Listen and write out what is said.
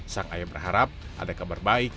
sang ayah berharap ada kabar baik